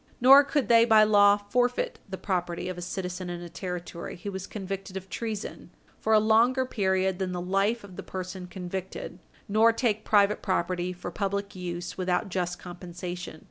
Nor could they by law forfeit the property of a citizen in a Territory who was convicted of treason, for a longer period than the life of the person convicted, nor take private property for public use without just compensation.